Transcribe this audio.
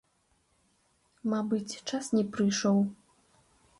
Мабыць, час не прыйшоў.